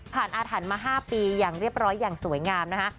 อาถรรพ์มา๕ปีอย่างเรียบร้อยอย่างสวยงามนะคะ